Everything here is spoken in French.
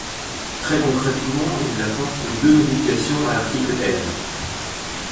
Très concrètement, il apporte deux modifications à l’article L.